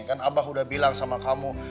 kan abah udah bilang sama kamu